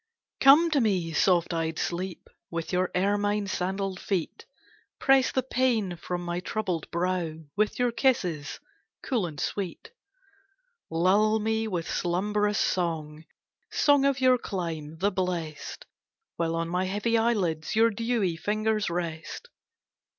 Come to me soft eyed sleep, With your ermine sandalled feet; Press the pain from my troubled brow With your kisses cool and sweet; Lull me with slumbrous song, Song of your clime, the blest, While on my heavy eyelids Your dewy fingers rest.